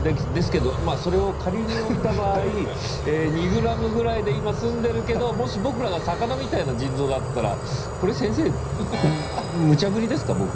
ですけどまあそれを仮においた場合２ｇぐらいで今済んでるけどもし僕らが魚みたいな腎臓だったらこれ先生むちゃ振りですか？